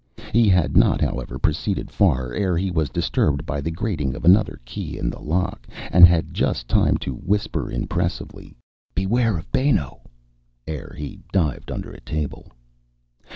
He had not, however, proceeded far ere he was disturbed by the grating of another key in the lock, and had just time to whisper impressively, "Beware of Benno," ere he dived under a table.